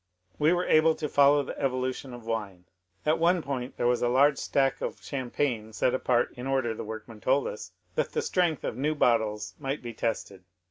We were able to follow the evolution of wine. At one point there was a large stack of 'champagne set apart, in order, the workmen told us, that the strength of new bottles might be tested.